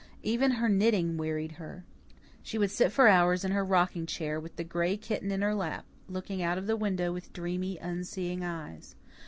Even her knitting wearied her. She would sit for hours in her rocking chair with the gray kitten in her lap, looking out of the window with dreamy, unseeing eyes.